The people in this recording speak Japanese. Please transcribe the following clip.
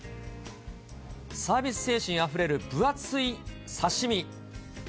サービス精神あふれる分厚い刺身。